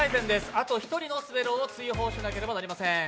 あと１人の滑狼を追放しなければなりません。